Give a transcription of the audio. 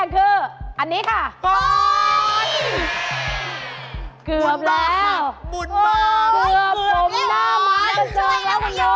เกือบผมหน้าม้ากระเจิงแล้วคุณน้อย